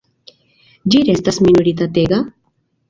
Ĝi restas minoritatega?